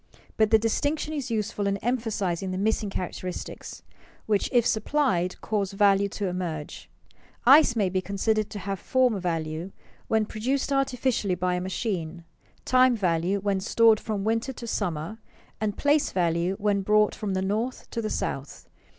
But the distinction is useful in emphasizing the missing characteristics, which if supplied, cause value to emerge. Ice may be considered to have form value when produced artificially by a machine, time value when stored from winter to summer, and place value when brought from the north to the south.